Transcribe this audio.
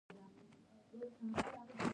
د مارسل بریون ټول کتاب پر هغه ولاړ دی.